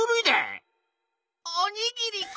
おにぎり！